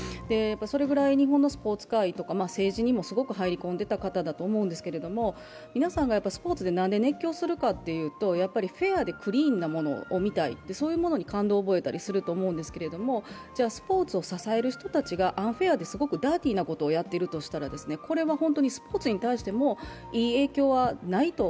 それぐらい日本のスポーツ界とか政治にもすごく入り込んでいた方だと思うんですけど皆さんがスポーツでなんで熱狂するかというとフェアでクリーンなものを見たい、そういうものに感動を覚えたりすると思うんですけど、スポーツを支える人たちがアンフェアですごくダーティーなことをしていたとしたら７月２６日火曜日から続けます